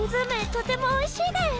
とてもおいしいデス。